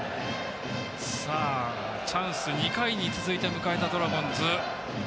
チャンス２回に続いて迎えたドラゴンズ。